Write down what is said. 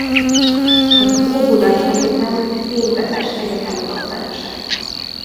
Az Óbudai Egyetem címzetes egyetemi docense.